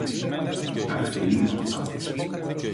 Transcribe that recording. Καλέ τι είναι αυτά;